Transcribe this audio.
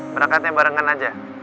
berangkatnya barengan aja